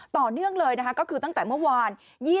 ต่อเนื่องเลยนะคะก็คือตั้งแต่เมื่อวาน